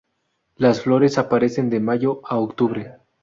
Las flores aparecen de mayo a octubre.